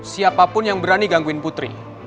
siapapun yang berani gangguin putri